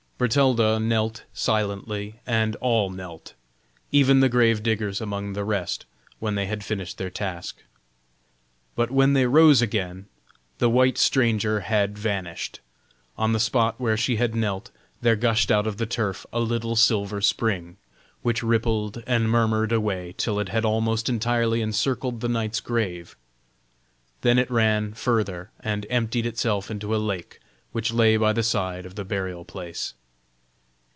Bertalda knelt silently, and all knelt, even the grave diggers among the rest, when they had finished their task. But when they rose again, the white stranger had vanished; on the spot where she had knelt there gushed out of the turf a little silver spring, which rippled and murmured away till it had almost entirely encircled the knight's grave; then it ran further and emptied itself into a lake which lay by the side of the burial place.